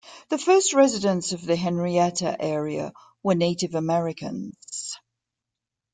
The first residents of the Henrietta area were Native Americans.